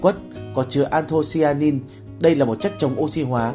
quả việt quất có chứa anthocyanin đây là một chất chống oxy hóa